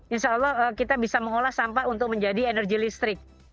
insya allah kita bisa mengolah sampah untuk menjadi energi listrik